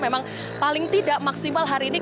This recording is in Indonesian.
memang paling tidak maksimal hari ini